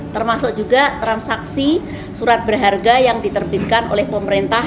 termasuk juga transaksi surat berharga yang diterbitkan oleh pemerintah